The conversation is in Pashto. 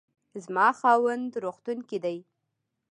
زما خاوند روغتون کې دی